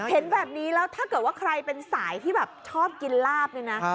เห็นแบบนี้แล้วถ้าเกิดว่าใครเป็นสายที่แบบชอบกินลาบเนี่ยนะ